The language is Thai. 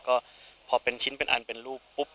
ก็พอเป็นชิ้นเป็นอันเป็นรูปปุ๊บ